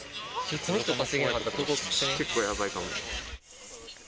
この人が稼げなかったら、結構やばいかも。